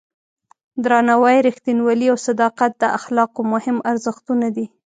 درناوی، رښتینولي او صداقت د اخلاقو مهم ارزښتونه دي.